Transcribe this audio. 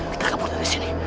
kita akan pulang dari sini